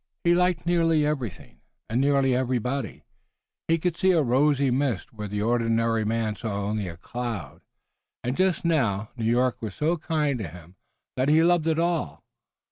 He liked nearly everything, and nearly everybody, he could see a rosy mist where the ordinary man saw only a cloud, and just now New York was so kind to him that he loved it all.